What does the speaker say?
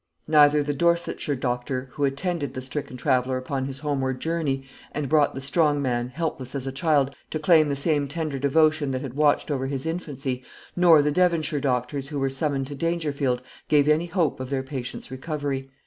Neither the Dorsetshire doctor who attended the stricken traveller upon his homeward journey, and brought the strong man, helpless as a child, to claim the same tender devotion that had watched over his infancy, nor the Devonshire doctors who were summoned to Dangerfield, gave any hope of their patient's recovery.